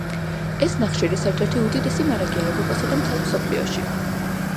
ეს ნახშირის ერთ-ერთი უდიდესი მარაგია ევროპასა და მთელ მსოფლიოში.